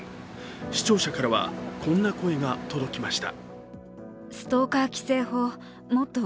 視聴者からはこんな声が届きました。